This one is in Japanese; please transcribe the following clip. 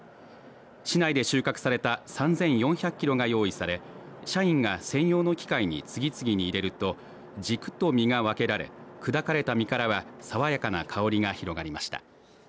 市内で収穫された３４００キロが用意され社員が専用の機械に次々に入れると軸と実が分けられ砕かれた実からは爽やかな香りが広がりました。